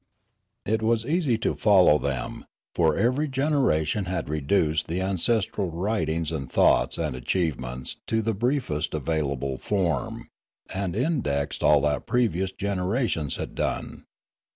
It was easy to follow them for every generation had reduced the ancestral writings and thoughts and achievements to the briefest available form, and in dexed all that previous generations had done.